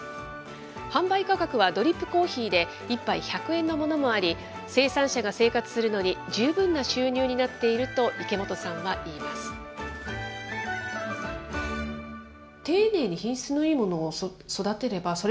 販売価格はドリップコーヒーで１杯１００円のものもあり、生産者が生活するのに十分な収入になっていると、池本さんは言います。